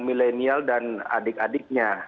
milenial dan adik adiknya